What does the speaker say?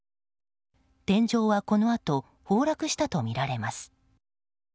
天井はこのあと崩落したとみられます。